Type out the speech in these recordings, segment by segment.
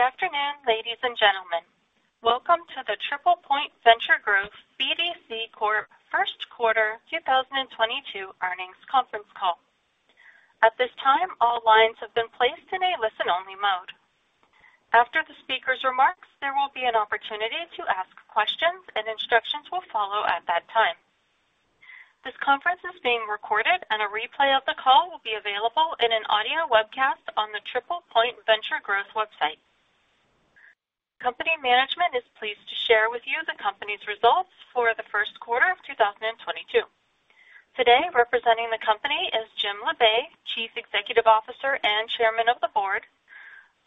Good afternoon, ladies and gentlemen. Welcome to the TriplePoint Venture Growth BDC Corp First Quarter 2022 Earnings Conference Call. At this time, all lines have been placed in a listen-only mode. After the speaker's remarks, there will be an opportunity to ask questions and instructions will follow at that time. This conference is being recorded and a replay of the call will be available in an audio webcast on the TriplePoint Venture Growth website. Company management is pleased to share with you the company's results for the first quarter of 2022. Today, representing the company is Jim Labe, Chief Executive Officer and Chairman of the Board,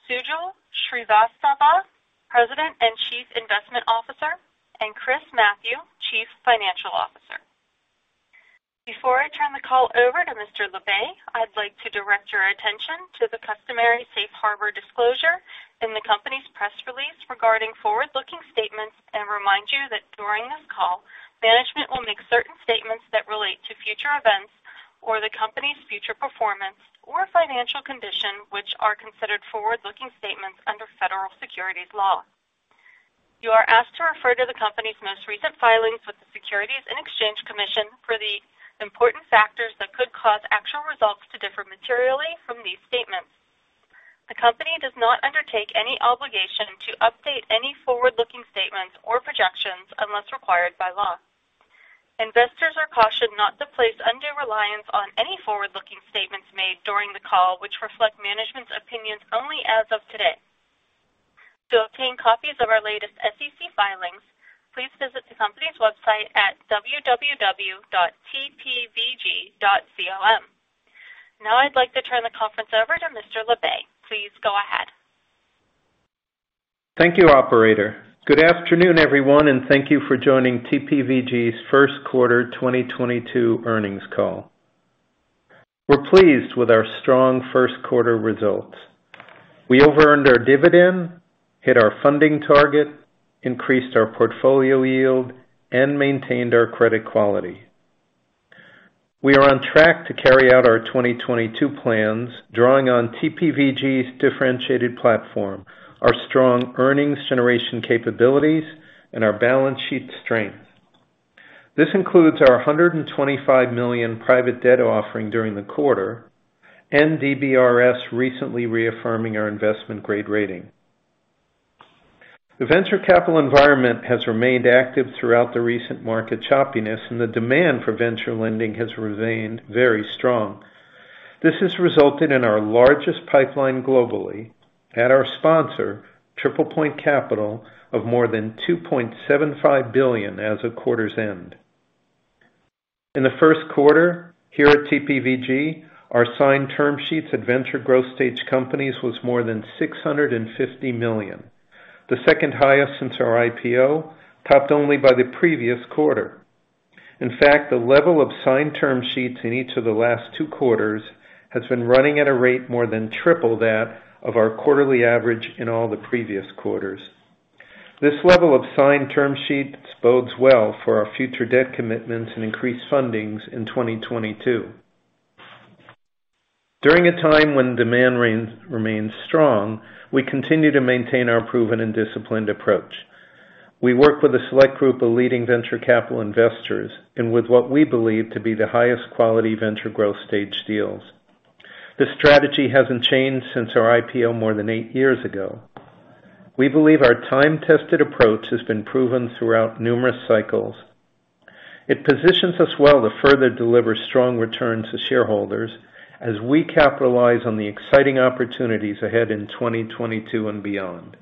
Sajal Srivastava, President and Chief Investment Officer, and Chris Mathieu, Chief Financial Officer. Before I turn the call over to Mr. Labe, I'd like to direct your attention to the customary safe harbor disclosure in the company's press release regarding forward-looking statements and remind you that during this call, management will make certain statements that relate to future events or the company's future performance or financial condition, which are considered forward-looking statements under federal securities law. You are asked to refer to the company's most recent filings with the Securities and Exchange Commission for the important factors that could cause actual results to differ materially from these statements. The company does not undertake any obligation to update any forward-looking statements or projections unless required by law. Investors are cautioned not to place undue reliance on any forward-looking statements made during the call, which reflect management's opinions only as of today. To obtain copies of our latest SEC filings, please visit the company's website at www.tpvg.com. Now I'd like to turn the conference over to Mr. Labe. Please go ahead. Thank you, operator. Good afternoon, everyone, and thank you for joining TPVG's first quarter 2022 earnings call. We're pleased with our strong first quarter results. We overearned our dividend, hit our funding target, increased our portfolio yield, and maintained our credit quality. We are on track to carry out our 2022 plans, drawing on TPVG's differentiated platform, our strong earnings generation capabilities, and our balance sheet strength. This includes our $125 million private debt offering during the quarter and DBRS recently reaffirming our investment grade rating. The venture capital environment has remained active throughout the recent market choppiness, and the demand for venture lending has remained very strong. This has resulted in our largest pipeline globally at our sponsor, TriplePoint Capital, of more than $2.75 billion as of quarter's end. In the first quarter here at TPVG, our signed term sheets at venture growth stage companies was more than $650 million, the second highest since our IPO, topped only by the previous quarter. In fact, the level of signed term sheets in each of the last two quarters has been running at a rate more than triple that of our quarterly average in all the previous quarters. This level of signed term sheets bodes well for our future debt commitments and increased fundings in 2022. During a time when demand remains strong, we continue to maintain our proven and disciplined approach. We work with a select group of leading venture capital investors and with what we believe to be the highest quality venture growth stage deals. This strategy hasn't changed since our IPO more than eight years ago. We believe our time-tested approach has been proven throughout numerous cycles. It positions us well to further deliver strong returns to shareholders as we capitalize on the exciting opportunities ahead in 2022 and beyond.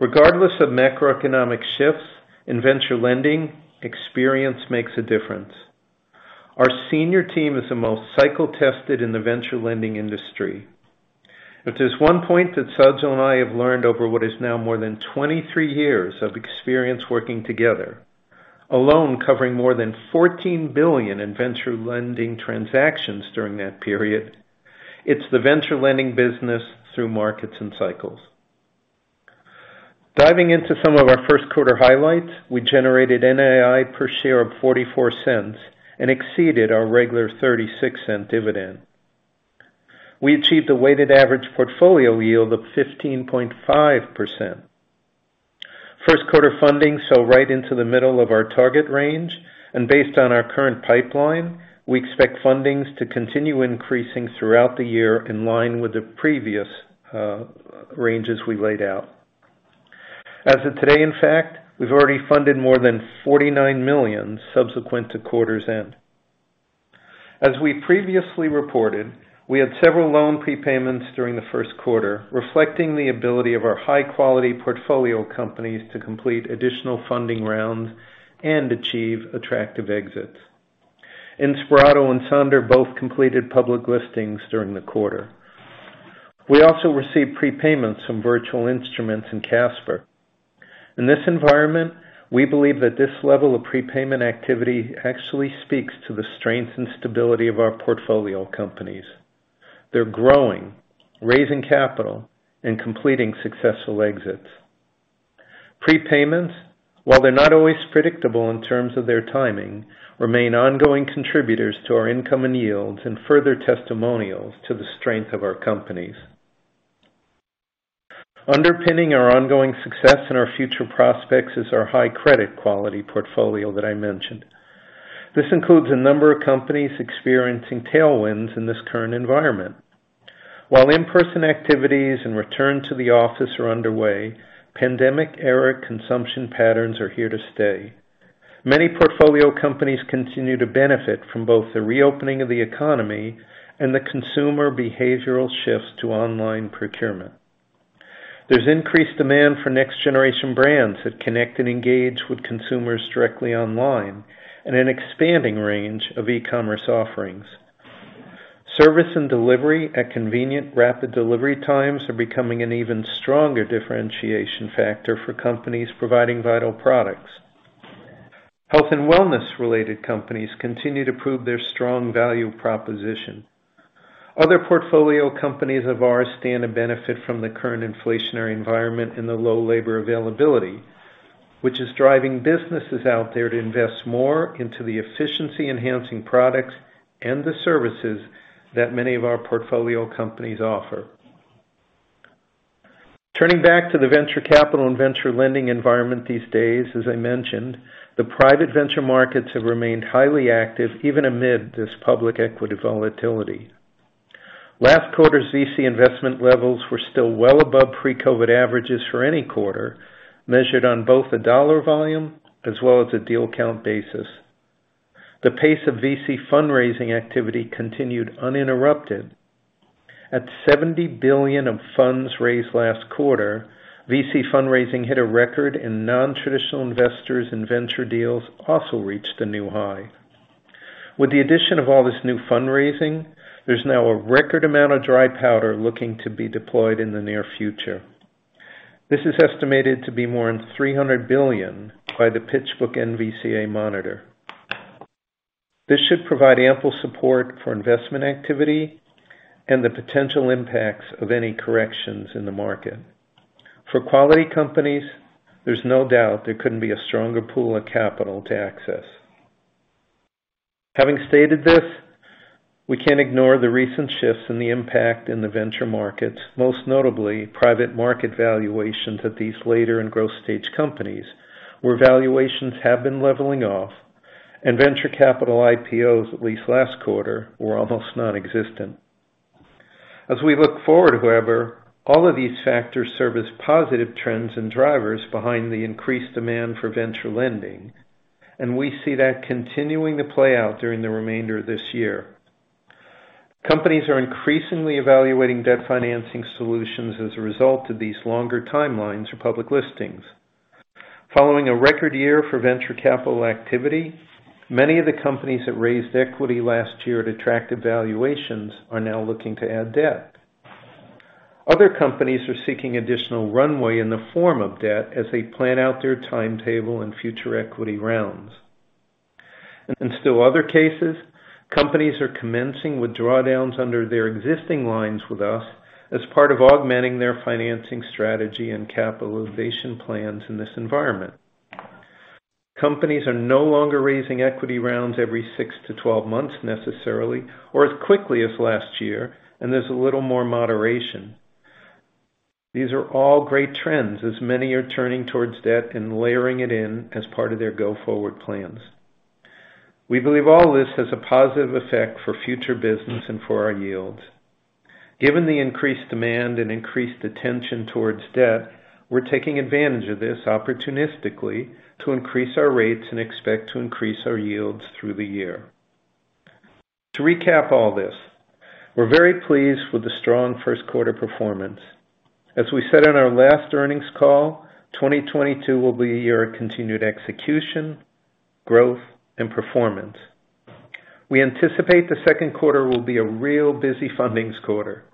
Regardless of macroeconomic shifts, in venture lending, experience makes a difference. Our senior team is the most cycle tested in the venture lending industry. If there's one point that Sajal and I have learned over what is now more than 23 years of experience working together, all in covering more than $14 billion in venture lending transactions during that period, it's the venture lending business through markets and cycles. Diving into some of our first quarter highlights, we generated NII per share of $0.44 and exceeded our regular $0.36 dividend. We achieved a weighted average portfolio yield of 15.5%. First quarter funding fell right into the middle of our target range, and based on our current pipeline, we expect fundings to continue increasing throughout the year in line with the previous ranges we laid out. As of today, in fact, we've already funded more than $49 million subsequent to quarter's end. As we previously reported, we had several loan prepayments during the first quarter, reflecting the ability of our high-quality portfolio companies to complete additional funding rounds and achieve attractive exits. Inspirato and Sonder both completed public listings during the quarter. We also received prepayments from Virtual Instruments and Casper. In this environment, we believe that this level of prepayment activity actually speaks to the strength and stability of our portfolio companies. They're growing, raising capital and completing successful exits. Prepayments, while they're not always predictable in terms of their timing, remain ongoing contributors to our income and yields and further testimonials to the strength of our companies. Underpinning our ongoing success and our future prospects is our high credit quality portfolio that I mentioned. This includes a number of companies experiencing tailwinds in this current environment. While in-person activities and return to the office are underway, pandemic-era consumption patterns are here to stay. Many portfolio companies continue to benefit from both the reopening of the economy and the consumer behavioral shifts to online procurement. There's increased demand for next-generation brands that connect and engage with consumers directly online in an expanding range of e-commerce offerings. Service and delivery at convenient, rapid delivery times are becoming an even stronger differentiation factor for companies providing vital products. Health and wellness related companies continue to prove their strong value proposition. Other portfolio companies of ours stand to benefit from the current inflationary environment and the low labor availability, which is driving businesses out there to invest more into the efficiency enhancing products and the services that many of our portfolio companies offer. Turning back to the venture capital and venture lending environment these days, as I mentioned, the private venture markets have remained highly active even amid this public equity volatility. Last quarter's VC investment levels were still well above pre-COVID averages for any quarter, measured on both the dollar volume as well as a deal count basis. The pace of VC fundraising activity continued uninterrupted. At $70 billion of funds raised last quarter, VC fundraising hit a record and non-traditional investors in venture deals also reached a new high. With the addition of all this new fundraising, there's now a record amount of dry powder looking to be deployed in the near future. This is estimated to be more than $300 billion by the PitchBook-NVCA Venture Monitor. This should provide ample support for investment activity and the potential impacts of any corrections in the market. For quality companies, there's no doubt there couldn't be a stronger pool of capital to access. Having stated this, we can't ignore the recent shifts and the impact in the venture markets, most notably private market valuations at these later and growth stage companies, where valuations have been leveling off and venture capital IPOs, at least last quarter, were almost non-existent. As we look forward, however, all of these factors serve as positive trends and drivers behind the increased demand for venture lending, and we see that continuing to play out during the remainder of this year. Companies are increasingly evaluating debt financing solutions as a result of these longer timelines for public listings. Following a record year for venture capital activity, many of the companies that raised equity last year at attractive valuations are now looking to add debt. Other companies are seeking additional runway in the form of debt as they plan out their timetable and future equity rounds. In still other cases, companies are commencing with drawdowns under their existing lines with us as part of augmenting their financing strategy and capitalization plans in this environment. Companies are no longer raising equity rounds every six to 12 months necessarily or as quickly as last year, and there's a little more moderation. These are all great trends as many are turning towards debt and layering it in as part of their go-forward plans. We believe all this has a positive effect for future business and for our yields. Given the increased demand and increased attention towards debt, we're taking advantage of this opportunistically to increase our rates and expect to increase our yields through the year. To recap all this, we're very pleased with the strong first quarter performance. As we said on our last earnings call, 2022 will be a year of continued execution, growth, and performance. We anticipate the second quarter will be a real busy fundings quarter.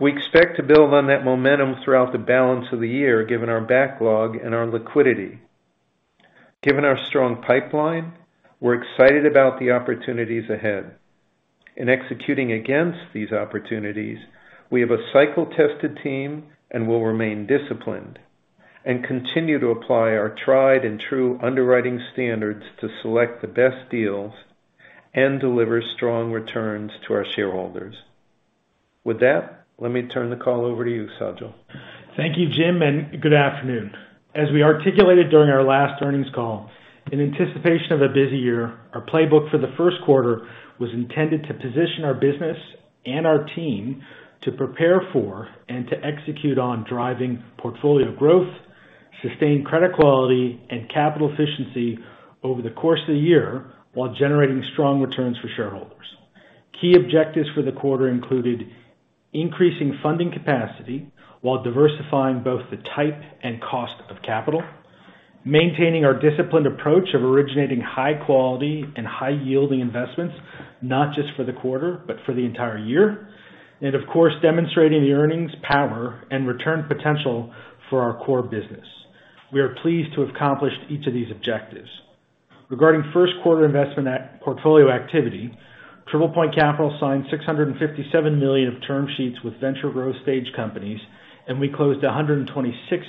We expect to build on that momentum throughout the balance of the year, given our backlog and our liquidity. Given our strong pipeline, we're excited about the opportunities ahead. In executing against these opportunities, we have a cycle-tested team and will remain disciplined and continue to apply our tried and true underwriting standards to select the best deals and deliver strong returns to our shareholders. With that, let me turn the call over to you, Sajal. Thank you, Jim, and good afternoon. As we articulated during our last earnings call, in anticipation of a busy year, our playbook for the first quarter was intended to position our business and our team to prepare for and to execute on driving portfolio growth, sustained credit quality and capital efficiency over the course of the year, while generating strong returns for shareholders. Key objectives for the quarter included increasing funding capacity while diversifying both the type and cost of capital. Maintaining our disciplined approach of originating high quality and high yielding investments, not just for the quarter, but for the entire year. Of course, demonstrating the earnings power and return potential for our core business. We are pleased to have accomplished each of these objectives. Regarding first quarter investment and portfolio activity, TriplePoint Capital signed $657 million of term sheets with venture growth stage companies, and we closed $126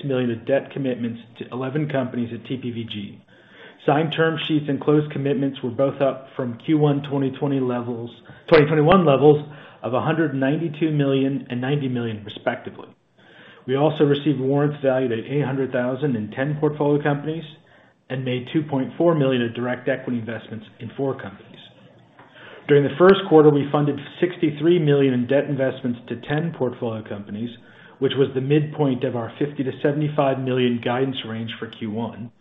million of debt commitments to eleven companies at TPVG. Signed term sheets and closed commitments were both up from Q1 2021 levels of $192 million and $90 million respectively. We also received warrants valued at $800,000 in ten portfolio companies and made $2.4 million in direct equity investments in four companies. During the first quarter, we funded $63 million in debt investments to ten portfolio companies, which was the midpoint of our $50 million-$75 million guidance range for Q1,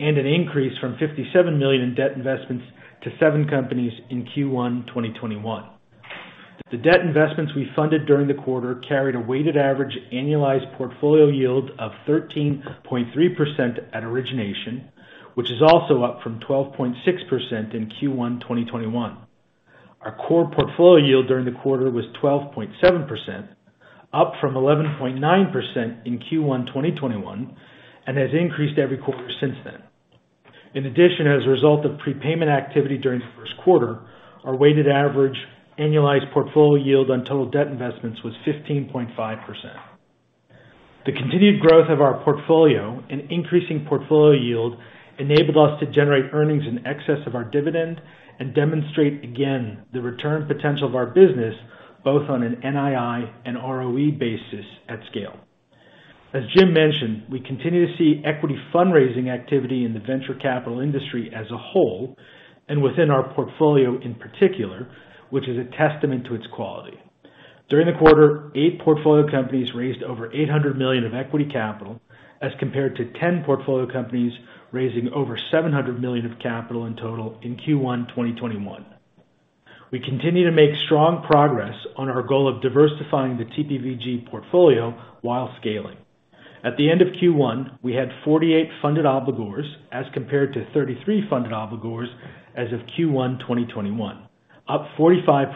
and an increase from $57 million in debt investments to seven companies in Q1 2021. The debt investments we funded during the quarter carried a weighted average annualized portfolio yield of 13.3% at origination, which is also up from 12.6% in Q1 2021. Our core portfolio yield during the quarter was 12.7%, up from 11.9% in Q1 2021, and has increased every quarter since then. In addition, as a result of prepayment activity during the first quarter, our weighted average annualized portfolio yield on total debt investments was 15.5%. The continued growth of our portfolio and increasing portfolio yield enabled us to generate earnings in excess of our dividend and demonstrate again the return potential of our business, both on an NII and ROE basis at scale. As Jim mentioned, we continue to see equity fundraising activity in the venture capital industry as a whole, and within our portfolio in particular, which is a testament to its quality. During the quarter, eight portfolio companies raised over $800 million of equity capital as compared to 10 portfolio companies raising over $700 million of capital in total in Q1 2021. We continue to make strong progress on our goal of diversifying the TPVG portfolio while scaling. At the end of Q1, we had 48 funded obligors, as compared to 33 funded obligors as of Q1 2021, up 45%,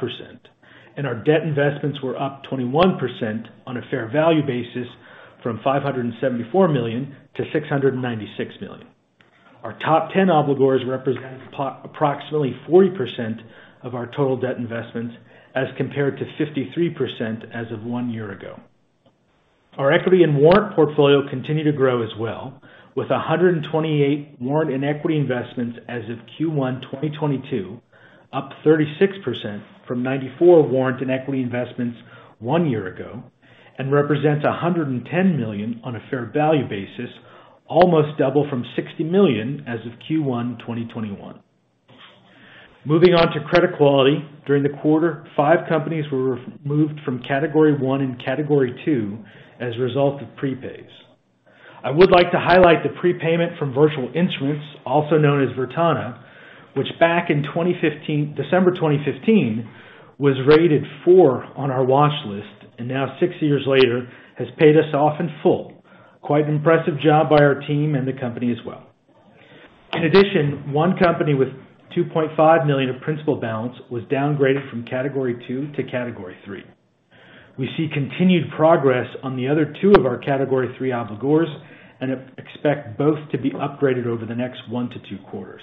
and our debt investments were up 21% on a fair value basis from $574 million to $696 million. Our top 10 obligors represent approximately 40% of our total debt investments, as compared to 53% as of one year ago. Our equity and warrant portfolio continued to grow as well, with 128 warrant and equity investments as of Q1 2022, up 36% from 94 warrant and equity investments one year ago, and represents $110 million on a fair value basis, almost double from $60 million as of Q1 2021. Moving on to credit quality. During the quarter, five companies were removed from Category 1 and Category 2 as a result of prepays. I would like to highlight the prepayment from Virtual Instruments, also known as Virtana, which back in 2015, December 2015, was rated four on our watch list, and now six years later has paid us off in full. Quite an impressive job by our team and the company as well. In addition, one company with $2.5 million of principal balance was downgraded from Category 2 to Category 3. We see continued progress on the other two of our Category 3 obligors and expect both to be upgraded over the next one to two quarters.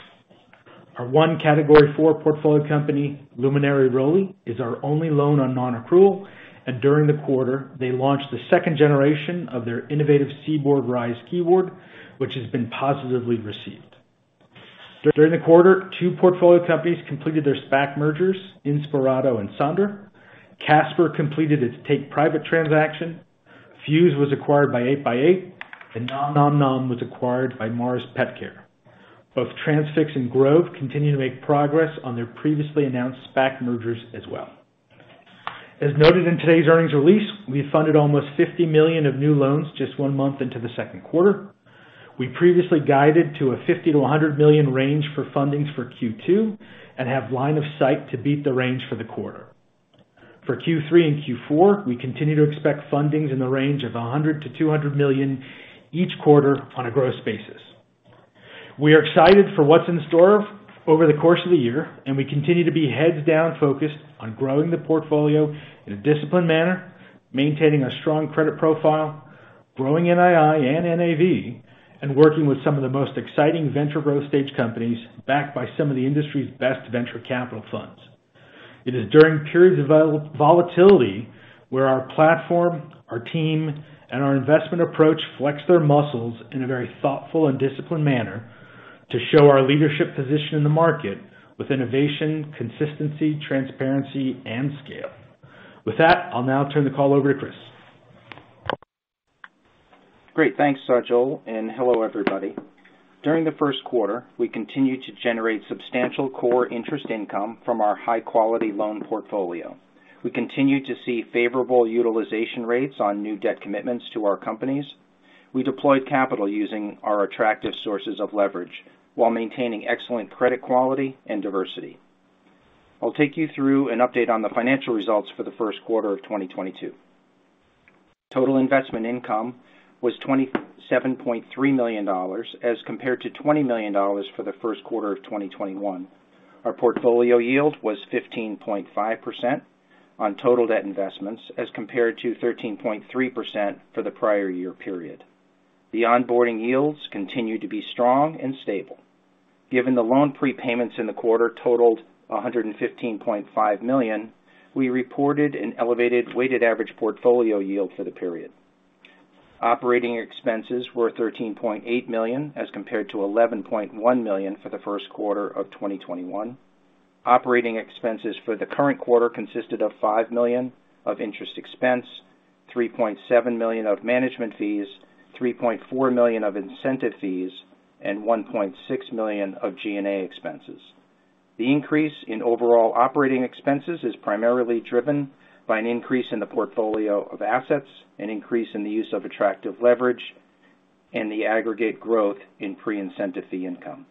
Our one Category 4 portfolio company, ROLI, is our only loan on non-accrual, and during the quarter they launched the second generation of their innovative Seaboard RISE keyboard, which has been positively received. During the quarter, two portfolio companies completed their SPAC mergers, Inspirato and Sonder. Casper completed its take-private transaction. Fuze was acquired by 8x8, and NomNomNow was acquired by Mars Petcare. Both Transfix and Grove continue to make progress on their previously announced SPAC mergers as well. As noted in today's earnings release, we funded almost $50 million of new loans just one month into the second quarter. We previously guided to a $50 million-$100 million range for fundings for Q2 and have line of sight to beat the range for the quarter. For Q3 and Q4, we continue to expect fundings in the range of $100 million-$200 million each quarter on a gross basis. We are excited for what's in store over the course of the year, and we continue to be heads down focused on growing the portfolio in a disciplined manner, maintaining a strong credit profile, growing NII and NAV, and working with some of the most exciting venture growth stage companies backed by some of the industry's best venture capital funds. It is during periods of volatility where our platform, our team, and our investment approach flex their muscles in a very thoughtful and disciplined manner to show our leadership position in the market with innovation, consistency, transparency, and scale. With that, I'll now turn the call over to Chris. Great. Thanks, Sajal, and hello, everybody. During the first quarter, we continued to generate substantial core interest income from our high-quality loan portfolio. We continued to see favorable utilization rates on new debt commitments to our companies. We deployed capital using our attractive sources of leverage while maintaining excellent credit quality and diversity. I'll take you through an update on the financial results for the first quarter of 2022. Total investment income was $27.3 million as compared to $20 million for the first quarter of 2021. Our portfolio yield was 15.5% on total debt investments as compared to 13.3% for the prior year period. The onboarding yields continued to be strong and stable. Given the loan prepayments in the quarter totaled $115.5 million, we reported an elevated weighted average portfolio yield for the period. Operating expenses were $13.8 million as compared to $11.1 million for the first quarter of 2021. Operating expenses for the current quarter consisted of $5 million of interest expense, $3.7 million of management fees, $3.4 million of incentive fees, and $1.6 million of G&A expenses. The increase in overall operating expenses is primarily driven by an increase in the portfolio of assets, an increase in the use of attractive leverage, and the aggregate growth in pre-incentive fee income.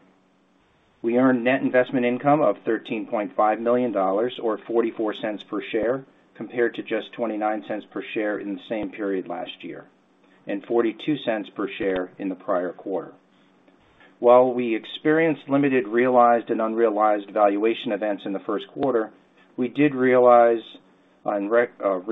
We earned net investment income of $13.5 million or $0.44 per share, compared to just $0.29 per share in the same period last year, and $0.42 per share in the prior quarter. While we experienced limited realized and unrealized valuation events in the first quarter, we did realize on record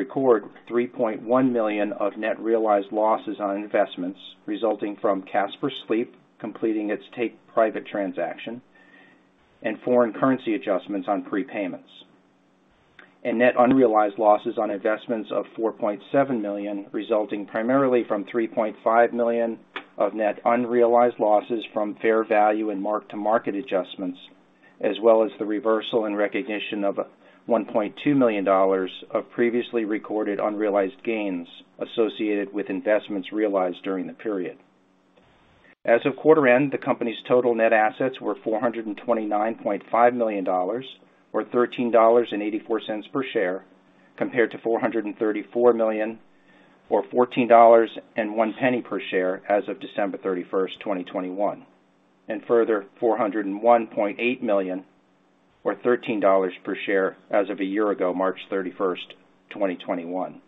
$3.1 million of net realized losses on investments resulting from Casper Sleep completing its take-private transaction and foreign currency adjustments on prepayments. Net unrealized losses on investments of $4.7 million, resulting primarily from $3.5 million of net unrealized losses from fair value and mark-to-market adjustments, as well as the reversal and recognition of $1.2 million of previously recorded unrealized gains associated with investments realized during the period. As of quarter end, the company's total net assets were $429.5 million or $13.84 per share, compared to $434 million or $14.01 per share as of December 31, 2021. Further, $401.8 million or $13 per share as of a year ago, March 31, 2021.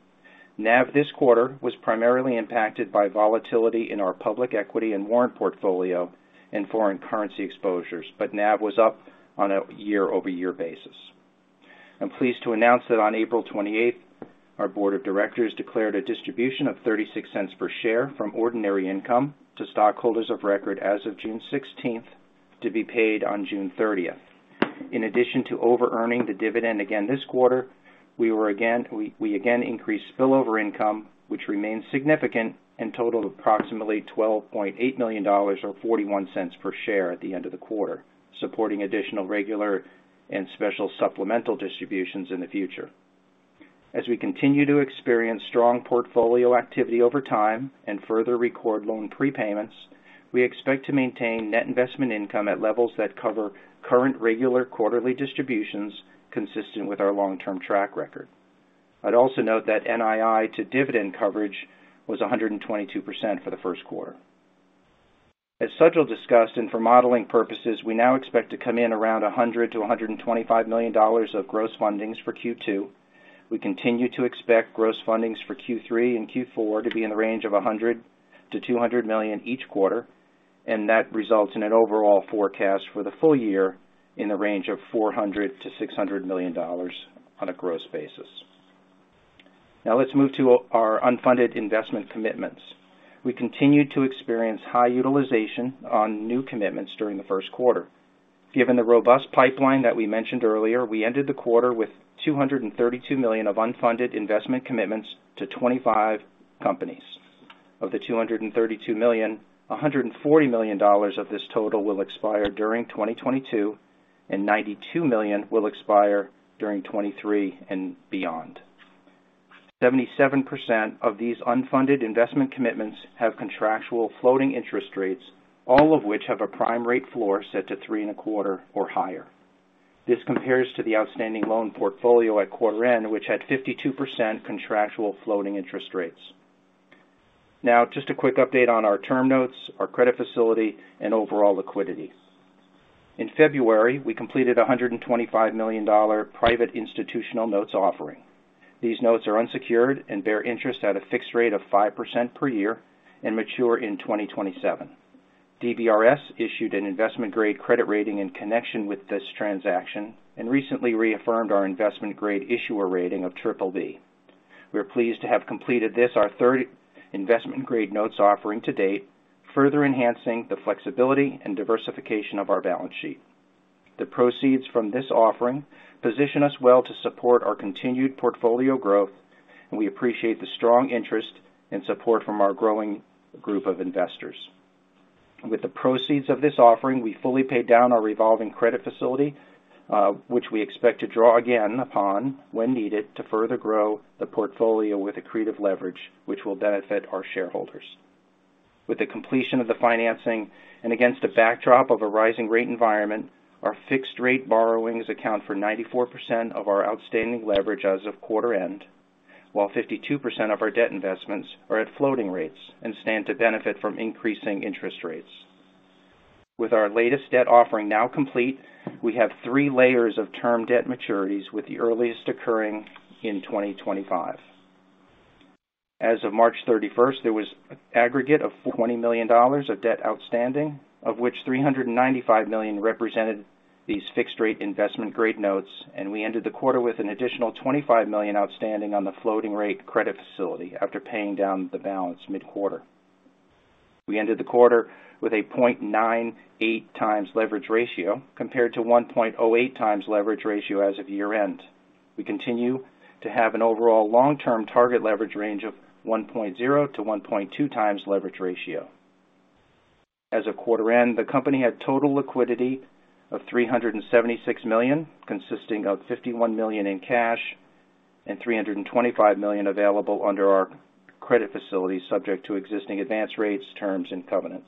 NAV this quarter was primarily impacted by volatility in our public equity and warrant portfolio and foreign currency exposures, but NAV was up on a year-over-year basis. I'm pleased to announce that on April 28, our board of directors declared a distribution of $0.36 per share from ordinary income to stockholders of record as of June 16 to be paid on June 30. In addition to over-earning the dividend again this quarter, we again increased spillover income, which remains significant and totaled approximately $12.8 million or $0.41 per share at the end of the quarter, supporting additional regular and special supplemental distributions in the future. As we continue to experience strong portfolio activity over time and further record loan prepayments, we expect to maintain net investment income at levels that cover current regular quarterly distributions consistent with our long-term track record. I'd also note that NII to dividend coverage was 122% for the first quarter. As Sajal discussed, and for modeling purposes, we now expect to come in around $100 million-$125 million of gross fundings for Q2. We continue to expect gross fundings for Q3 and Q4 to be in the range of $100 million-$200 million each quarter, and that results in an overall forecast for the full year in the range of $400 million-$600 million on a gross basis. Now let's move to our unfunded investment commitments. We continue to experience high utilization on new commitments during the first quarter. Given the robust pipeline that we mentioned earlier, we ended the quarter with $232 million of unfunded investment commitments to 25 companies. Of the $232 million, $140 million of this total will expire during 2022, and $92 million will expire during 2023 and beyond. 77% of these unfunded investment commitments have contractual floating interest rates, all of which have a prime rate floor set to 3.25 or higher. This compares to the outstanding loan portfolio at quarter end, which had 52% contractual floating interest rates. Now, just a quick update on our term notes, our credit facility, and overall liquidity. In February, we completed a $125 million private institutional notes offering. These notes are unsecured and bear interest at a fixed rate of 5% per year and mature in 2027. DBRS Morningstar issued an investment-grade credit rating in connection with this transaction and recently reaffirmed our investment-grade issuer rating of BBB. We are pleased to have completed this, our third investment-grade notes offering to date, further enhancing the flexibility and diversification of our balance sheet. The proceeds from this offering position us well to support our continued portfolio growth, and we appreciate the strong interest and support from our growing group of investors. With the proceeds of this offering, we fully paid down our revolving credit facility, which we expect to draw again upon when needed to further grow the portfolio with accretive leverage, which will benefit our shareholders. With the completion of the financing and against a backdrop of a rising rate environment, our fixed rate borrowings account for 94% of our outstanding leverage as of quarter end, while 52% of our debt investments are at floating rates and stand to benefit from increasing interest rates. With our latest debt offering now complete, we have three layers of term debt maturities with the earliest occurring in 2025. As of March 31, there was an aggregate of $20 million of debt outstanding, of which $395 million represented these fixed-rate investment grade notes, and we ended the quarter with an additional $25 million outstanding on the floating rate credit facility after paying down the balance mid-quarter. We ended the quarter with a 0.98x leverage ratio compared to 1.08x leverage ratio as of year-end. We continue to have an overall long-term target leverage range of 1.0x-1.2x leverage ratio. As of quarter end, the company had total liquidity of $376 million, consisting of $51 million in cash and $325 million available under our credit facility, subject to existing advance rates, terms and covenants.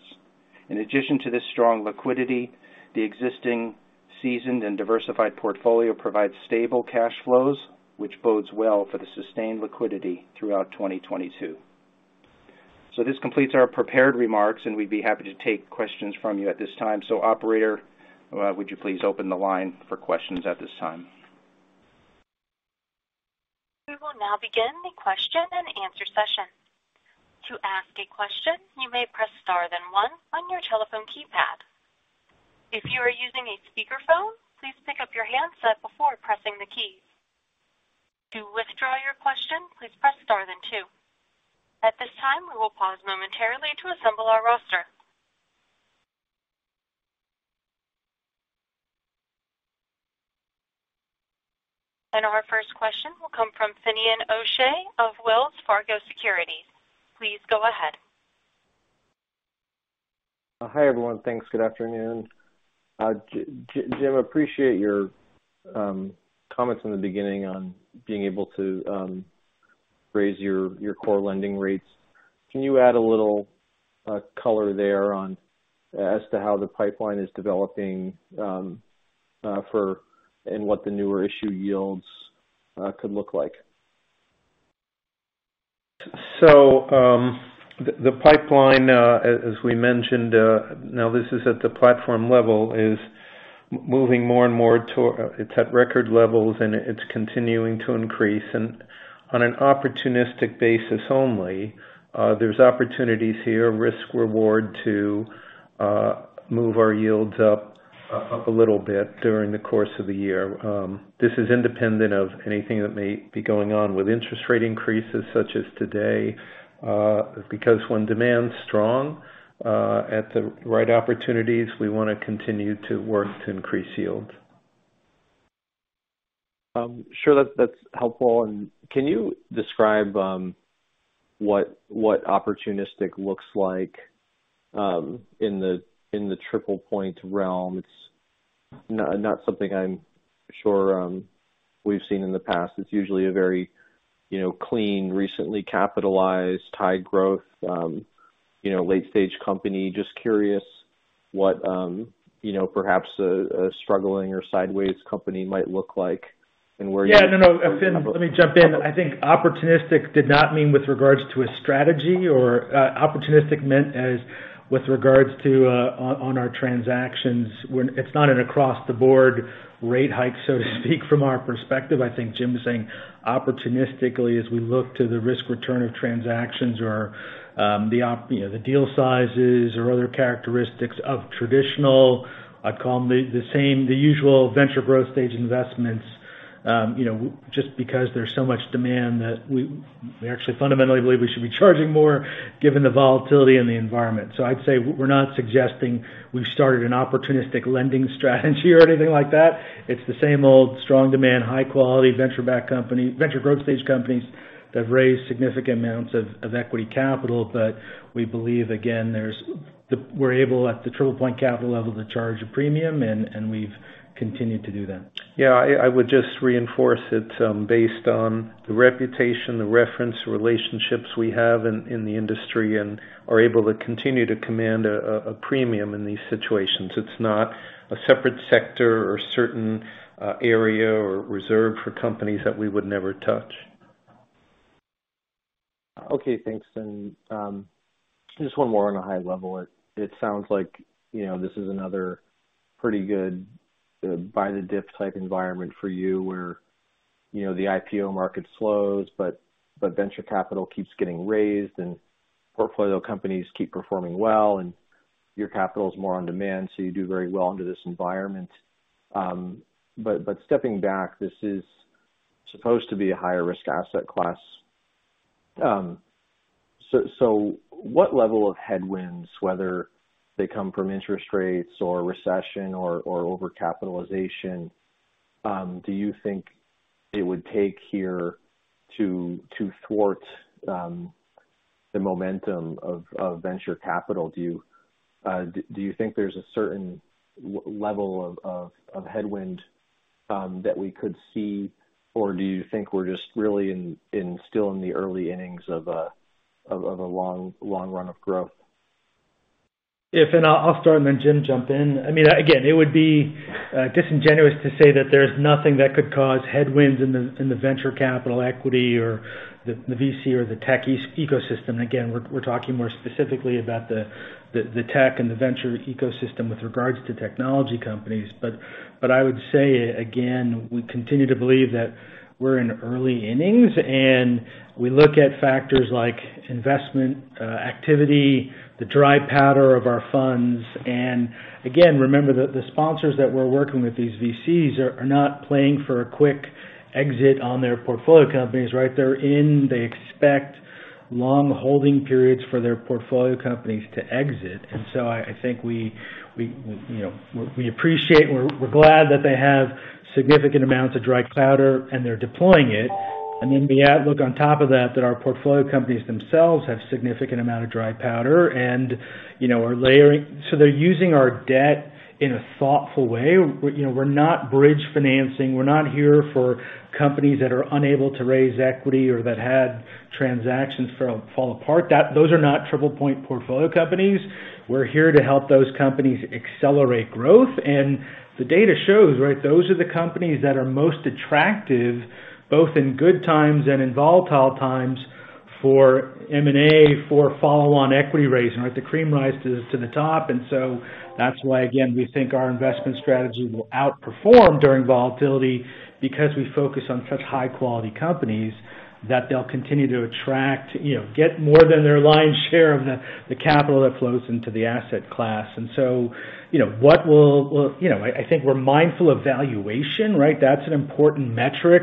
In addition to this strong liquidity, the existing seasoned and diversified portfolio provides stable cash flows, which bodes well for the sustained liquidity throughout 2022. This completes our prepared remarks, and we'd be happy to take questions from you at this time. Operator, would you please open the line for questions at this time? We will now begin the question and answer session. To ask a question, you may press star then one on your telephone keypad. If you are using a speakerphone, please pick up your handset before pressing the keys. To withdraw your question, please press star then two. At this time, we will pause momentarily to assemble our roster. Our first question will come from Finian O'Shea of Wells Fargo Securities. Please go ahead. Hi, everyone. Thanks. Good afternoon. Jim, appreciate your comments in the beginning on being able to raise your core lending rates. Can you add a little color there on as to how the pipeline is developing for, and what the newer issue yields could look like? The pipeline, as we mentioned, now this is at the platform level, is moving more and more toward record levels and it's continuing to increase. On an opportunistic basis only, there's opportunities here, risk-reward to move our yields up a little bit during the course of the year. This is independent of anything that may be going on with interest rate increases such as today, because when demand's strong, at the right opportunities, we wanna continue to work to increase yield. Sure that's helpful. Can you describe what opportunistic looks like in the TriplePoint realm? It's not something I'm sure we've seen in the past. It's usually a very you know, clean, recently capitalized, high growth you know, late stage company. Just curious what you know, perhaps a struggling or sideways company might look like and where you Yeah. No, no, Finian, let me jump in. I think opportunistic did not mean with regards to a strategy. Opportunistic meant as with regards to, on our transactions when it's not an across-the-board rate hike, so to speak, from our perspective. I think Jim is saying opportunistically as we look to the risk return of transactions or, you know, the deal sizes or other characteristics of traditional, I'd call them the same, the usual venture growth stage investments, you know, just because there's so much demand that we actually fundamentally believe we should be charging more given the volatility in the environment. I'd say we're not suggesting we've started an opportunistic lending strategy or anything like that. It's the same old strong demand, high quality venture-backed company, venture growth stage companies that have raised significant amounts of equity capital. We believe, again, we're able, at the TriplePoint Capital level, to charge a premium, and we've continued to do that. Yeah. I would just reinforce it based on the reputation, the reference, the relationships we have in the industry and are able to continue to command a premium in these situations. It's not a separate sector or a certain area or reserve for companies that we would never touch. Okay. Thanks. Just one more on a high level. It sounds like, you know, this is another pretty good buy the dip type environment for you where, you know, the IPO market slows, but venture capital keeps getting raised and portfolio companies keep performing well, and your capital is more on demand, so you do very well under this environment. Stepping back, this is supposed to be a higher risk asset class. What level of headwinds, whether they come from interest rates or recession or overcapitalization, do you think it would take here to thwart the momentum of venture capital? Do you think there's a certain level of headwind that we could see, or do you think we're just really still in the early innings of a long run of growth? I'll start, and then Jim jump in. I mean, it would be disingenuous to say that there's nothing that could cause headwinds in the venture capital equity or the VC or the tech ecosystem. Again, we're talking more specifically about the tech and the venture ecosystem with regards to technology companies. I would say, again, we continue to believe that we're in early innings, and we look at factors like investment activity, the dry powder of our funds. Again, remember the sponsors that we're working with, these VCs are not playing for a quick exit on their portfolio companies, right? They expect long holding periods for their portfolio companies to exit.I think we appreciate and we're glad that they have significant amounts of dry powder and they're deploying it. Then the outlook on top of that our portfolio companies themselves have significant amount of dry powder and you know are layering. They're using our debt in a thoughtful way. We're you know not bridge financing. We're not here for companies that are unable to raise equity or that had transactions fall apart. Those are not TriplePoint portfolio companies. We're here to help those companies accelerate growth. The data shows, right, those are the companies that are most attractive, both in good times and in volatile times for M&A, for follow-on equity raising, right? The cream rises to the top. That's why, again, we think our investment strategy will outperform during volatility because we focus on such high-quality companies that they'll continue to attract, you know, get more than their lion's share of the capital that flows into the asset class. You know, I think we're mindful of valuation, right? That's an important metric.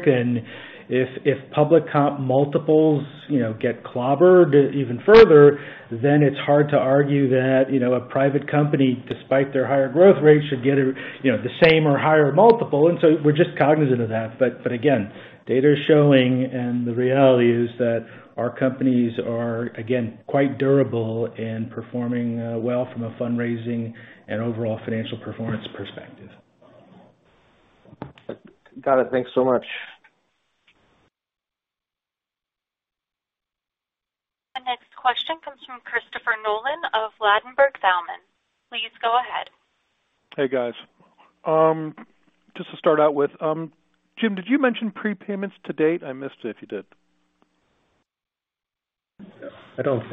If public comp multiples, you know, get clobbered even further, then it's hard to argue that, you know, a private company, despite their higher growth rate, should get a, you know, the same or higher multiple. We're just cognizant of that. But again, data is showing, and the reality is that our companies are, again, quite durable and performing well from a fundraising and overall financial performance perspective. Got it. Thanks so much. The next question comes from Christopher Nolan of Ladenburg Thalmann. Please go ahead. Hey, guys. Just to start out with, Jim, did you mention prepayments to date? I missed it if you did. I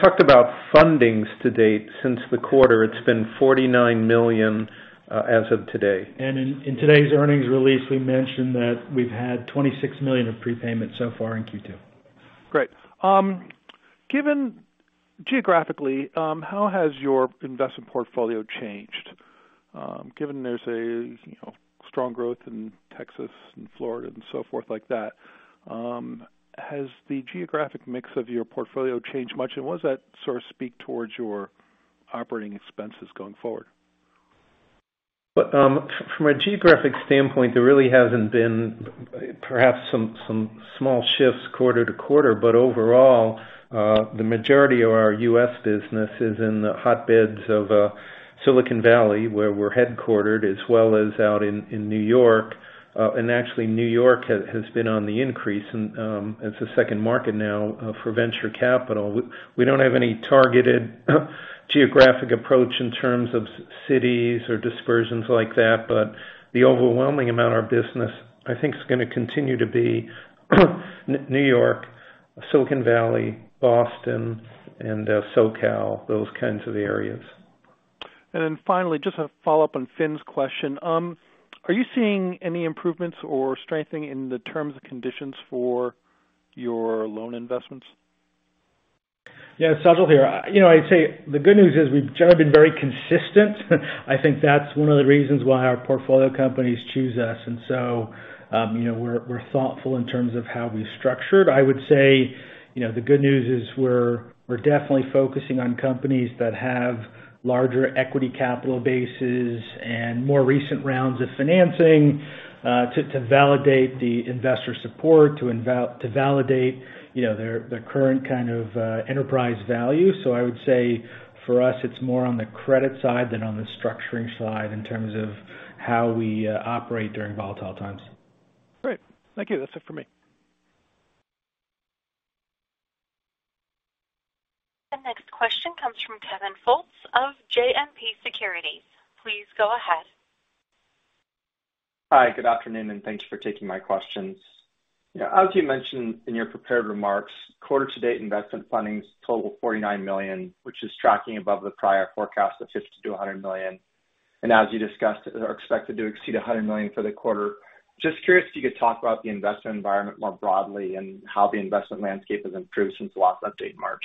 talked about fundings to date. Since the quarter, it's been $49 million as of today. In today's earnings release, we mentioned that we've had $26 million of prepayment so far in Q2. Great. Given geographically, how has your investment portfolio changed, given there's a, you know, strong growth in Texas and Florida and so forth like that, has the geographic mix of your portfolio changed much? What does that sort of speak towards your operating expenses going forward? From a geographic standpoint, there really hasn't been perhaps some small shifts quarter to quarter, but overall, the majority of our U.S. business is in the hotbeds of Silicon Valley, where we're headquartered, as well as out in New York. Actually, New York has been on the increase and as a second market now for venture capital. We don't have any targeted geographic approach in terms of cities or dispersions like that, but the overwhelming amount of our business, I think, is gonna continue to be New York, Silicon Valley, Boston, and SoCal, those kinds of areas. Finally, just to follow up on Finn's question. Are you seeing any improvements or strengthening in the terms and conditions for your loan investments? Yeah. Sajal here. You know, I'd say the good news is we've generally been very consistent. I think that's one of the reasons why our portfolio companies choose us. You know, we're thoughtful in terms of how we've structured. I would say, you know, the good news is we're definitely focusing on companies that have larger equity capital bases and more recent rounds of financing to validate the investor support, to validate, you know, their current kind of enterprise value. So I would say for us, it's more on the credit side than on the structuring side in terms of how we operate during volatile times. Great. Thank you. That's it for me. The next question comes from Kevin Fultz of JMP Securities. Please go ahead. Hi, good afternoon, and thanks for taking my questions. You know, as you mentioned in your prepared remarks, quarter-to-date investment fundings total $49 million, which is tracking above the prior forecast of $50 million-$100 million. As you discussed, are expected to exceed $100 million for the quarter. Just curious if you could talk about the investment environment more broadly and how the investment landscape has improved since the last update in March.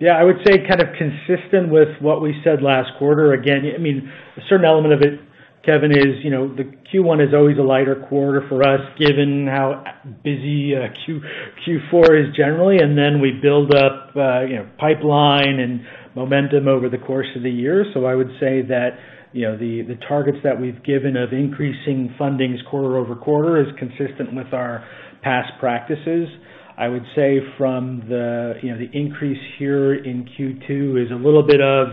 Yeah. I would say kind of consistent with what we said last quarter. Again, I mean, a certain element of it, Kevin, is, you know, the Q1 is always a lighter quarter for us, given how busy Q4 is generally. We build up, you know, pipeline and momentum over the course of the year. I would say that, you know, the targets that we've given of increasing fundings quarter over quarter is consistent with our past practices. I would say from the, you know, the increase here in Q2 is a little bit of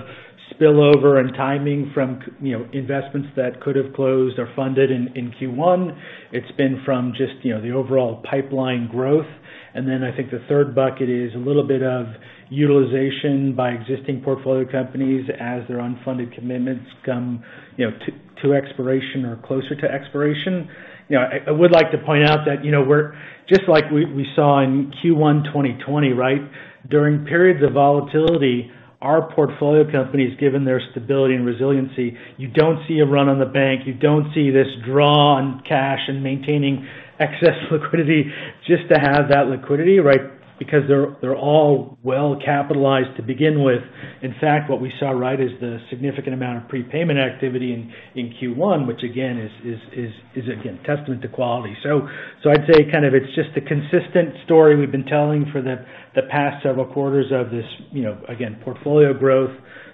spillover and timing from you know, investments that could have closed or funded in Q1. It's been from just, you know, the overall pipeline growth. I think the third bucket is a little bit of utilization by existing portfolio companies as their unfunded commitments come, you know, to expiration or closer to expiration. You know, I would like to point out that, you know, we're just like we saw in Q1 2020, right. During periods of volatility, our portfolio companies, given their stability and resiliency, you don't see a run on the bank. You don't see this draw on cash and maintaining excess liquidity just to have that liquidity, right, because they're all well capitalized to begin with. In fact, what we saw, right, is the significant amount of prepayment activity in Q1, which again, is again, testament to quality. I'd say kind of it's just the consistent story we've been telling for the past several quarters of this, you know, again, portfolio growth,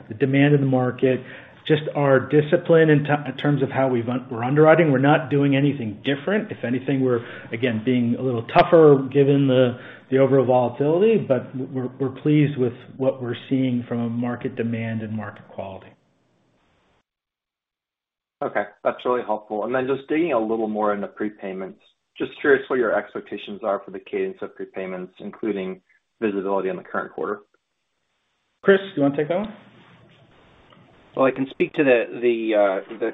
the demand in the market, just our discipline in terms of how we're underwriting. We're not doing anything different. If anything, we're again being a little tougher given the overall volatility, but we're pleased with what we're seeing from a market demand and market quality. Okay, that's really helpful. Just digging a little more in the prepayments. Just curious what your expectations are for the cadence of prepayments, including visibility on the current quarter. Chris, do you wanna take that one? I can speak to the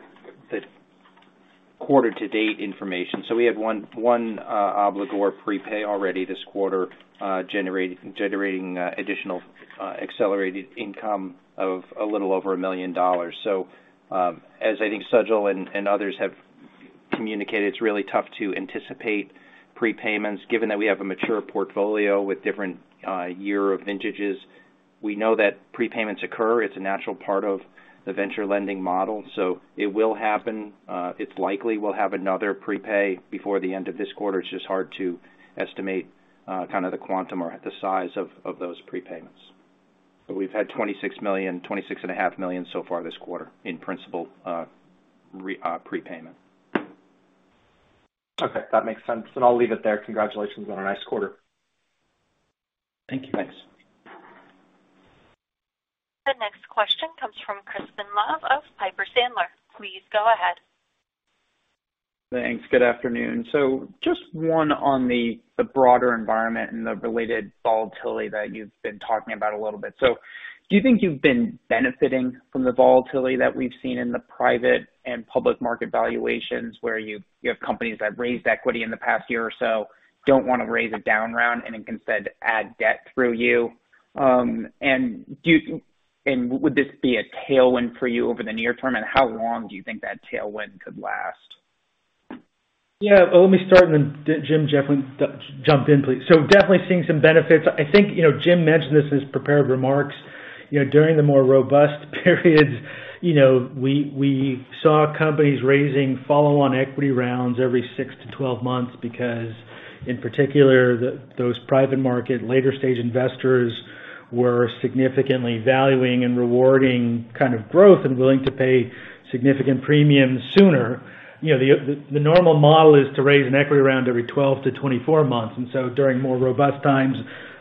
quarter to date information. We had one obligor prepay already this quarter, generating additional accelerated income of a little over $1 million. As I think Sajal and others have communicated, it's really tough to anticipate prepayments given that we have a mature portfolio with different year of vintages. We know that prepayments occur. It's a natural part of the venture lending model, so it will happen. It's likely we'll have another prepay before the end of this quarter. It's just hard to estimate kind of the quantum or the size of those prepayments. We've had $26.5 million so far this quarter in principal prepayment. Okay, that makes sense, and I'll leave it there. Congratulations on a nice quarter. Thank you. Thanks. The next question comes from Crispin Love of Piper Sandler. Please go ahead. Thanks. Good afternoon. Just one on the broader environment and the related volatility that you've been talking about a little bit. Do you think you've been benefiting from the volatility that we've seen in the private and public market valuations where you have companies that raised equity in the past year or so, don't wanna raise a down round and instead add debt through you? And would this be a tailwind for you over the near term, and how long do you think that tailwind could last? Yeah. Let me start and then Jim definitely jump in, please. Definitely seeing some benefits. I think, you know, Jim mentioned this as prepared remarks. You know, during the more robust periods, you know, we saw companies raising follow-on equity rounds every six-12 months because, in particular, those private market later stage investors were significantly valuing and rewarding kind of growth and willing to pay significant premiums sooner. You know, the normal model is to raise an equity round every 12-24 months. During more robust times,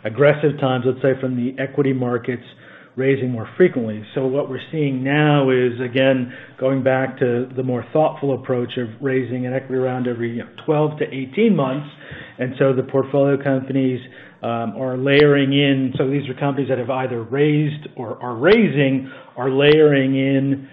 aggressive times, let's say from the equity markets, raising more frequently. What we're seeing now is, again, going back to the more thoughtful approach of raising an equity round every, you know, 12-18 months. The portfolio companies are layering in. These are companies that have either raised or are raising, are layering in,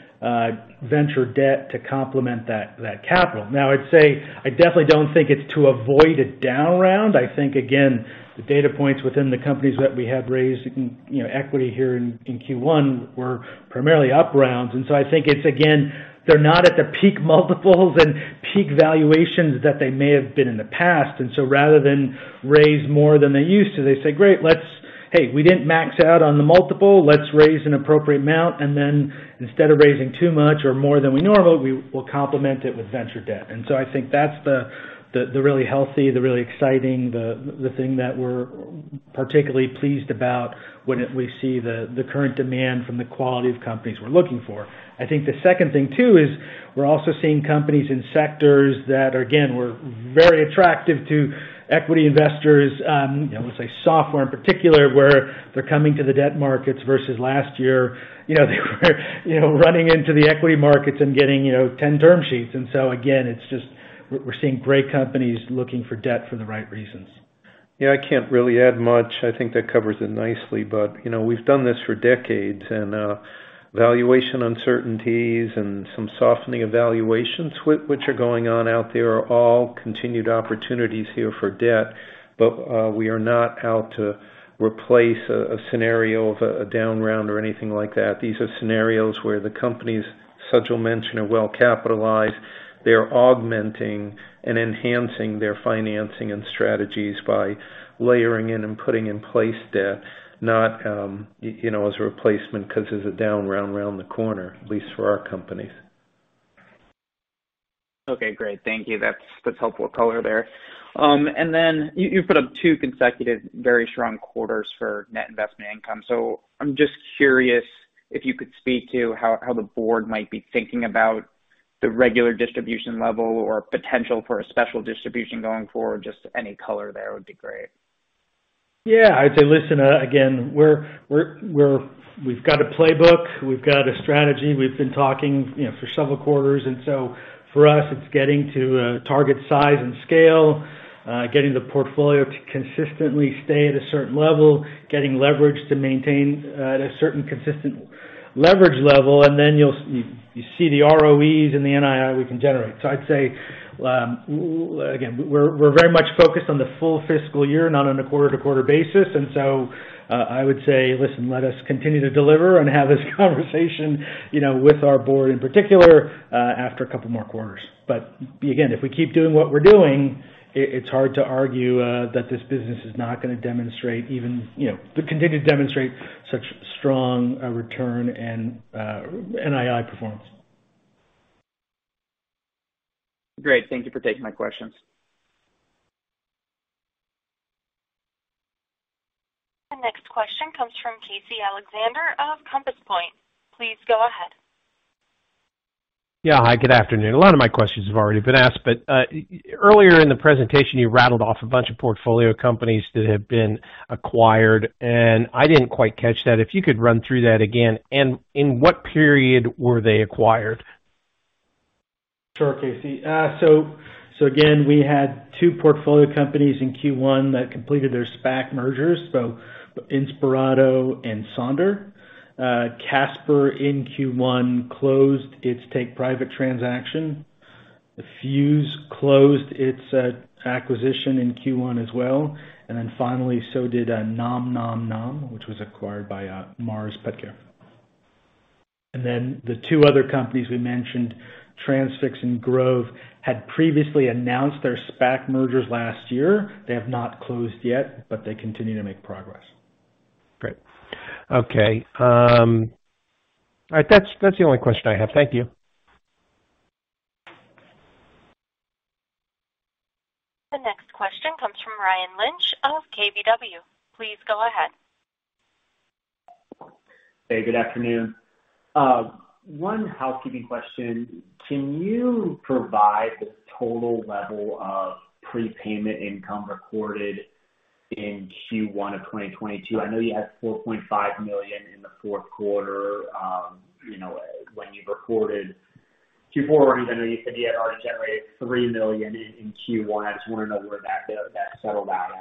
venture debt to complement that capital. Now, I'd say I definitely don't think it's to avoid a down round. I think, again, the data points within the companies that we have raised, you know, equity here in Q1 were primarily up rounds. I think it's again, they're not at the peak multiples and peak valuations that they may have been in the past. Rather than raise more than they used to, they say, "Great, we didn't max out on the multiple. Let's raise an appropriate amount, and then instead of raising too much or more than we normally, we will complement it with venture debt. I think that's the really healthy, the really exciting, the thing that we're particularly pleased about when we see the current demand from the quality of companies we're looking for. I think the second thing too is we're also seeing companies in sectors that again, were very attractive to equity investors, you know, let's say software in particular, where they're coming to the debt markets versus last year, you know, they were, you know, running to the equity markets and getting, you know, 10 term sheets. Again, it's just we're seeing great companies looking for debt for the right reasons. Yeah. I can't really add much. I think that covers it nicely. You know, we've done this for decades, and, valuation uncertainties and some softening valuations which are going on out there are all continued opportunities here for debt. We are not out to replace a scenario of a down round or anything like that. These are scenarios where the companies Sajal mentioned are well capitalized. They're augmenting and enhancing their financing and strategies by layering in and putting in place debt, not, you know, as a replacement 'cause there's a down round the corner, at least for our companies. Okay, great. Thank you. That's helpful color there. Then you put up two consecutive very strong quarters for net investment income. I'm just curious if you could speak to how the board might be thinking about the regular distribution level or potential for a special distribution going forward. Just any color there would be great. Yeah. I'd say, listen, again, we've got a playbook. We've got a strategy. We've been talking, you know, for several quarters. For us, it's getting to target size and scale, getting the portfolio to consistently stay at a certain level, getting leverage to maintain at a certain consistent leverage level. Then you see the ROEs and the NII we can generate. I'd say, well, again, we're very much focused on the full fiscal year, not on a quarter-to-quarter basis. I would say, listen, let us continue to deliver and have this conversation, you know, with our board in particular, after a couple more quarters. Again, if we keep doing what we're doing, it's hard to argue that this business is not gonna demonstrate even. You know, to continue to demonstrate such strong return and NII performance. Great. Thank you for taking my questions. The next question comes from Casey Alexander of Compass Point. Please go ahead. Yeah. Hi, good afternoon. A lot of my questions have already been asked, but earlier in the presentation, you rattled off a bunch of portfolio companies that have been acquired, and I didn't quite catch that. If you could run through that again, and in what period were they acquired? Sure, Casey. Again, we had two portfolio companies in Q1 that completed their SPAC mergers, so Inspirato and Sonder. Casper in Q1 closed its take-private transaction. Fuze closed its acquisition in Q1 as well. Finally, so did NomNomNow, which was acquired by Mars Petcare. The two other companies we mentioned, Transfix and Grove, had previously announced their SPAC mergers last year. They have not closed yet, but they continue to make progress. Great. Okay. All right. That's the only question I have. Thank you. The next question comes from Ryan Lynch of KBW. Please go ahead. Hey, good afternoon. One housekeeping question. Can you provide the total level of prepayment income recorded in Q1 of 2022? I know you had $4.5 million in the fourth quarter, you know, when you recorded Q4 earnings. I know you said you had already generated $3 million in Q1. I just wanna know where that settled out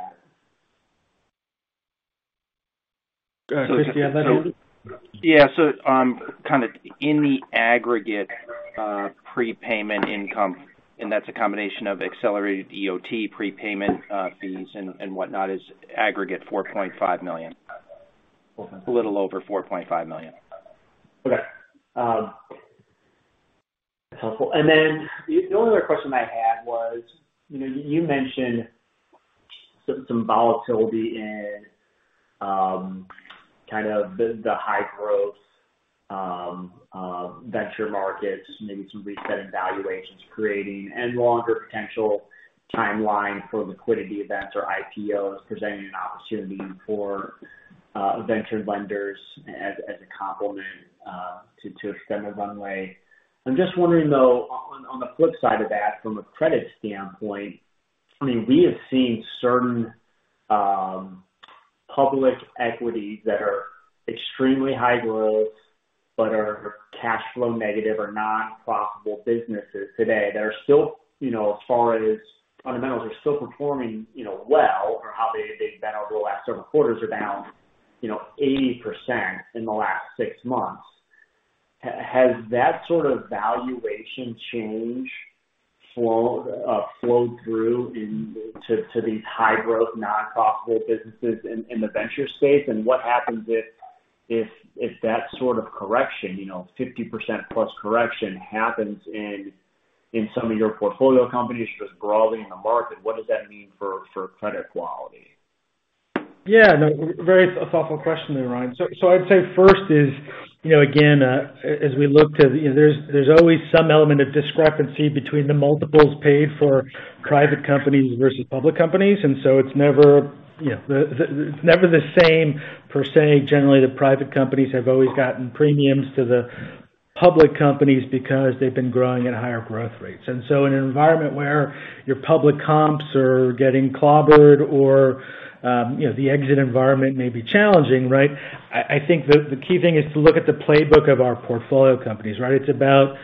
at. Casey, do you have that in- Kind of in the aggregate, prepayment income, and that's a combination of accelerated EOT prepayment fees and whatnot, is aggregate $4.5 million. Okay. A little over $4.5 million. Okay. That's helpful. The only other question I had was, you know, you mentioned some volatility in kind of the high growth venture markets, maybe some resetting valuations creating a longer potential timeline for liquidity events or IPOs presenting an opportunity for venture lenders as a complement to extend the runway. I'm just wondering, though, on the flip side of that, from a credit standpoint, I mean, we have seen certain public equities that are extremely high growth but are cash flow negative or not profitable businesses today that are still, you know, as far as fundamentals, are still performing, you know, well for how they've been over the last several quarters are down, you know, 80% in the last six months. Has that sort of valuation change flow flowed through into these high-growth, non-profitable businesses in the venture space? What happens if that sort of correction, you know, 50%+ correction happens in some of your portfolio companies just broadly in the market? What does that mean for credit quality? Yeah. No, very thoughtful question there, Ryan. I'd say first is, you know, again, as we look to, you know, there's always some element of discrepancy between the multiples paid for private companies versus public companies. It's never the same per se. Generally, the private companies have always gotten premiums to the public companies because they've been growing at higher growth rates. In an environment where your public comps are getting clobbered or, you know, the exit environment may be challenging, right? I think the key thing is to look at the playbook of our portfolio companies, right? It's about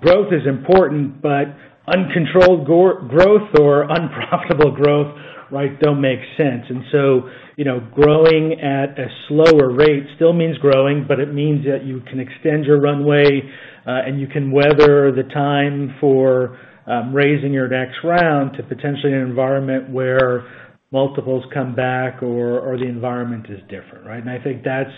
growth is important, but uncontrolled growth or unprofitable growth, right, don't make sense. You know, growing at a slower rate still means growing, but it means that you can extend your runway, and you can weather the time for raising your next round to potentially an environment where multiples come back or the environment is different, right? I think that's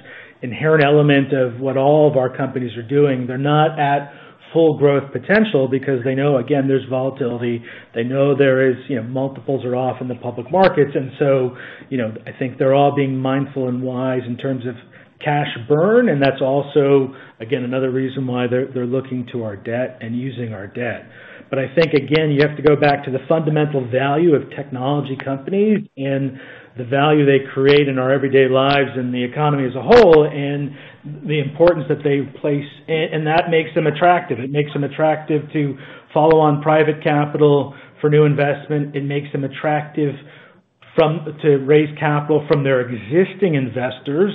inherent element of what all of our companies are doing. They're not at full growth potential because they know, again, there's volatility. They know there is, you know, multiples are off in the public markets. You know, I think they're all being mindful and wise in terms of cash burn. That's also, again, another reason why they're looking to our debt and using our debt. I think again, you have to go back to the fundamental value of technology companies and the value they create in our everyday lives and the economy as a whole and the importance that they place. And that makes them attractive. It makes them attractive to follow on private capital for new investment. It makes them attractive from to raise capital from their existing investors,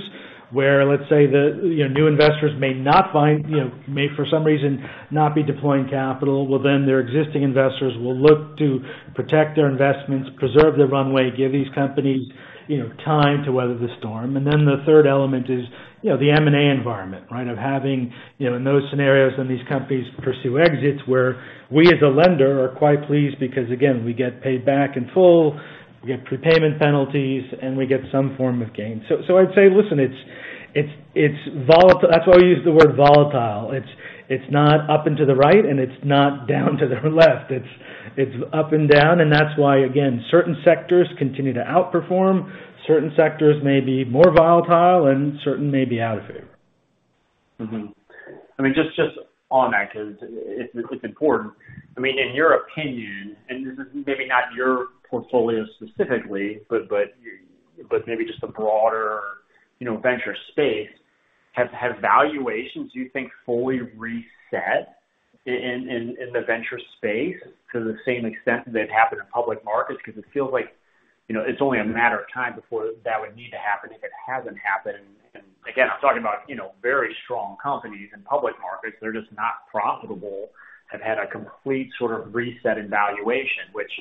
where let's say the, you know, new investors may not find, you know, may for some reason not be deploying capital. Well, then their existing investors will look to protect their investments, preserve their runway, give these companies, you know, time to weather the storm. Then the third element is, you know, the M&A environment, right? Of having, you know, in those scenarios, when these companies pursue exits where we as a lender are quite pleased because again, we get paid back in full, we get prepayment penalties, and we get some form of gain. I'd say, listen, it's volatile. That's why we use the word volatile. It's not up and to the right, and it's not down to the left. It's up and down. That's why again, certain sectors continue to outperform. Certain sectors may be more volatile and certain may be out of favor. I mean, just on that 'cause it's important. I mean, in your opinion, and this is maybe not your portfolio specifically, but maybe just the broader, you know, venture space. Have valuations you think fully reset in the venture space to the same extent that happened in public markets? 'Cause it feels like, you know, it's only a matter of time before that would need to happen if it hasn't happened. Again, I'm talking about, you know, very strong companies in public markets, they're just not profitable, have had a complete sort of reset in valuation, which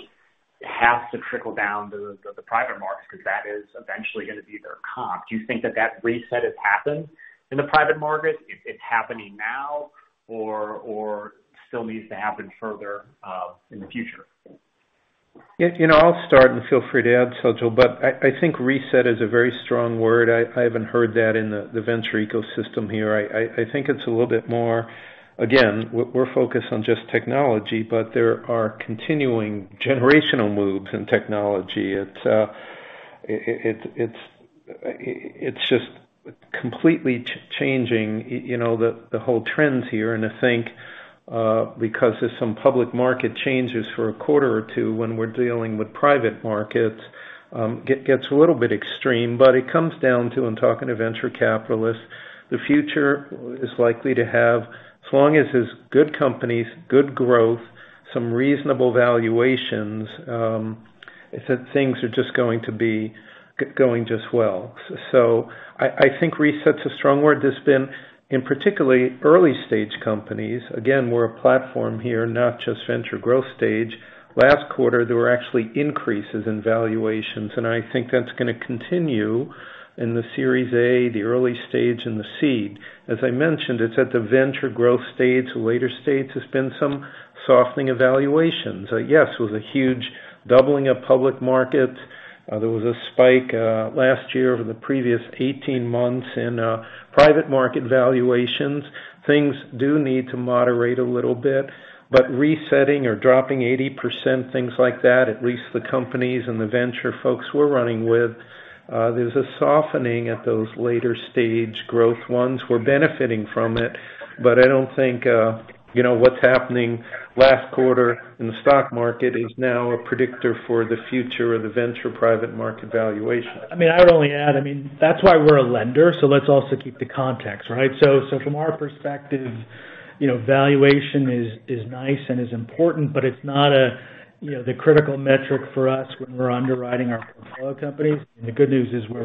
has to trickle down to the private markets, 'cause that is eventually gonna be their comp. Do you think that reset has happened in the private markets? It's happening now or still needs to happen further in the future? Yeah, you know, I'll start and feel free to add, Sajal. I think reset is a very strong word. I haven't heard that in the venture ecosystem here. I think it's a little bit more. Again, we're focused on just technology, but there are continuing generational moves in technology. It's just completely changing, you know, the whole trends here. I think because there's some public market changes for a quarter or two when we're dealing with private markets, gets a little bit extreme. It comes down to, I'm talking to venture capitalists, the future is likely to have, as long as there's good companies, good growth, some reasonable valuations, is that things are just going to be going just well. I think reset's a strong word that's been, in particular, early stage companies. Again, we're a platform here, not just venture growth stage. Last quarter, there were actually increases in valuations, and I think that's gonna continue in the Series A, the early stage and the seed. As I mentioned, it's at the venture growth stage, the later stage, there's been some softening in valuations. Yes, with a huge doubling of public markets, there was a spike last year over the previous 18 months in private market valuations. Things do need to moderate a little bit. Resetting or dropping 80%, things like that, at least the companies and the venture folks we're running with, there's a softening at those later stage growth ones. We're benefiting from it, but I don't think, you know, what's happening last quarter in the stock market is now a predictor for the future of the venture private market valuation. I mean, I would only add, I mean, that's why we're a lender, so let's also keep the context, right? So from our perspective, you know, valuation is nice and is important, but it's not, you know, the critical metric for us when we're underwriting our portfolio companies. The good news is we're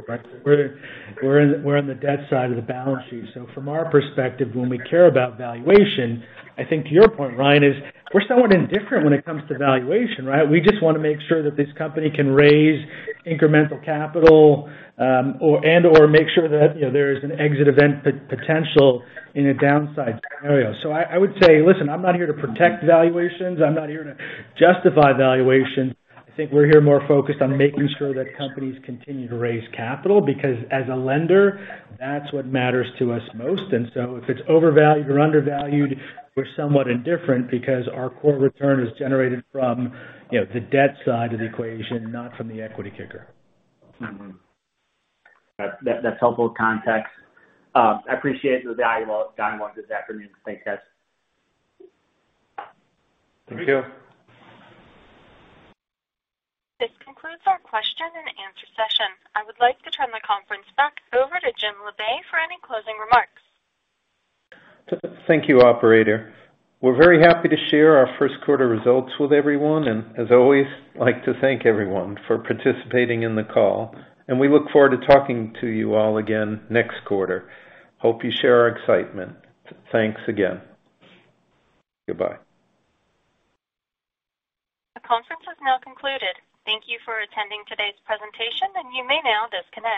in the debt side of the balance sheet. So from our perspective, when we care about valuation, I think to your point, Ryan, is we're somewhat indifferent when it comes to valuation, right? We just wanna make sure that this company can raise incremental capital or and/or make sure that, you know, there is an exit event potential in a downside scenario. I would say, listen, I'm not here to protect valuations. I'm not here to justify valuations. I think we're here more focused on making sure that companies continue to raise capital because as a lender, that's what matters to us most. If it's overvalued or undervalued, we're somewhat indifferent because our core return is generated from, you know, the debt side of the equation, not from the equity kicker. That's helpful context. I appreciate the valuable dialogue this afternoon. Thanks, guys. Thank you. Thank you. This concludes our question and answer session. I would like to turn the conference back over to Jim Labe for any closing remarks. Thank you, operator. We're very happy to share our first quarter results with everyone, and as always, like to thank everyone for participating in the call, and we look forward to talking to you all again next quarter. Hope you share our excitement. Thanks again. Goodbye. The conference is now concluded. Thank you for attending today's presentation, and you may now disconnect.